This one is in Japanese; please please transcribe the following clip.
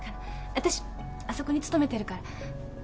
あたしあそこに勤めてるから。